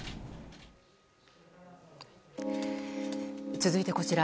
続いて、こちら。